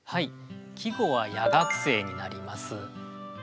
季語は「夜学生」になります。